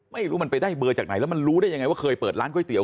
ไม่รู้มันไปได้เบอร์จากไหนแล้วมันรู้ได้ยังไงว่าเคยเปิดร้านก๋วเตี๋